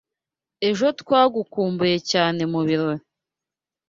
Ejo twagukumbuye cyane mubirori.